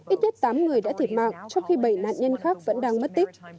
ít nhất tám người đã thiệt mạng trong khi bảy nạn nhân khác vẫn đang mất tích